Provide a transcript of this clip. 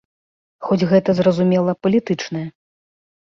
Хоць гэта, зразумела, палітычнае.